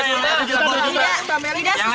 tidak tidak sesuai dengan